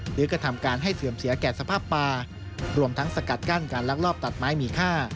กระทำการให้เสื่อมเสียแก่สภาพป่ารวมทั้งสกัดกั้นการลักลอบตัดไม้มีค่า